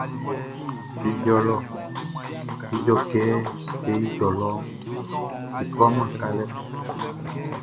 Ijɔ lɔ Ijɔ kɛ e ijɔ lɔ e tuaman sika.